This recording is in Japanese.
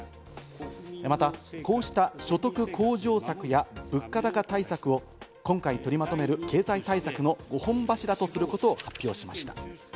また、こうした所得向上策や物価高対策を今回、取りまとめる経済対策の５本柱とすることを発表しました。